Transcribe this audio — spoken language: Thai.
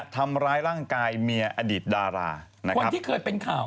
พรุ่งนี้สนั่นอ่ะผมว่า